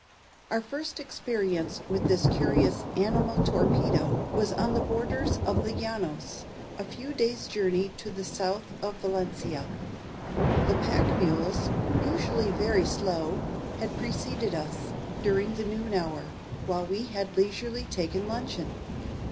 Our first experience with this curious Animal Torpedo was on the borders of the Llanos, a few days' journey to the south of Valencia. The pack mules, usually very slow, had preceded us, during the noon hour, while we had leisurely taken luncheon.